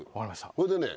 それでね。